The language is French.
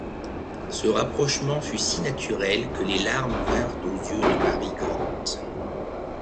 Ce rapprochement fut si naturel, que les larmes vinrent aux yeux de Mary Grant.